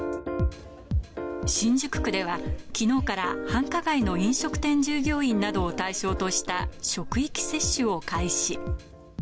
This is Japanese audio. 新宿区では、きのうから繁華街の飲食店従業員などを対象とした職域接種を開始。